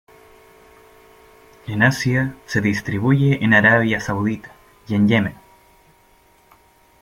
En Asia se distribuye en Arabia Saudita y en Yemen.